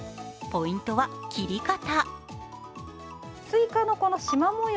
ポイントは切り方。